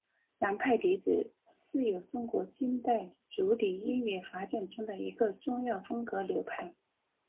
南派笛子是中国近代竹笛音乐发展中的一个重要风格流派。